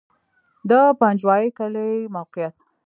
د پنجوایي کلی موقعیت